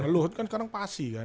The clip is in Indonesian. luhut kan sekarang pasi kan